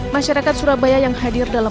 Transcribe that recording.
masyarakat surabaya yang hadir dalam